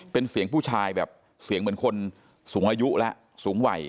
เป็นเสียงผู้ชายแบบเสียงเหมือนคนสูงอายุแล้วสูงวัย